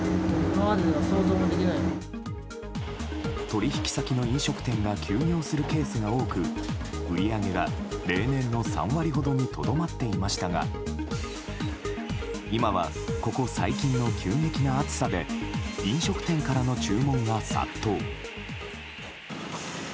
取引先の飲食店が休業するケースが多く売り上げが例年の３割ほどにとどまっていましたが今はここ最近の急激な暑さで飲食店からの注文が殺到。